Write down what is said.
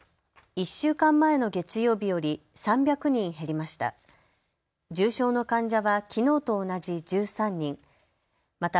１週間前の月曜日より３００人減りました。